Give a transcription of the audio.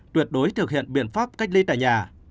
tuyệt đối thực hiện biện pháp cách ly tại nhà